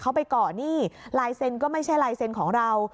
เขาไปเกาะหนี้ลายเซ็นต์ก็ไม่ใช่ลายเซ็นต์ของเรา